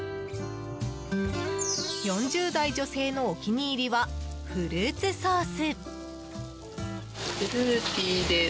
４０代女性のお気に入りはフルーツソース。